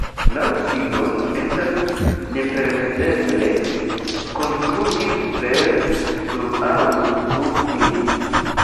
Laŭ Sidon estas nepermeseble konstrui super, sur aŭ sub ili.